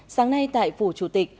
sáng nay tại phủ chủ tịch